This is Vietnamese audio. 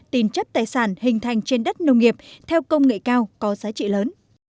tín chấp tài sản hình thành trên đất nông nghiệp theo công nghệ cao có giá trị lớn